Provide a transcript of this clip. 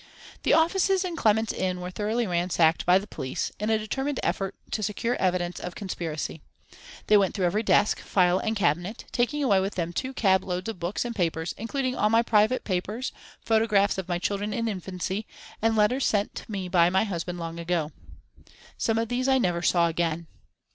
The offices in Clement's Inn were thoroughly ransacked by the police, in a determined effort to secure evidence of conspiracy. They went through every desk, file and cabinet, taking away with them two cab loads of books and papers, including all my private papers, photographs of my children in infancy, and letters sent me by my husband long ago. Some of these I never saw again.